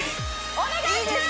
お願いします！